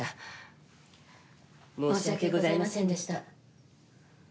申し訳ございませんでした。